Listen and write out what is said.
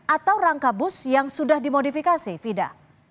atau rangka bus yang sudah dimodifikasi fida